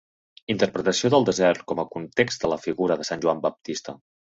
Interpretació del desert com a context de la figura de Sant Joan Baptista.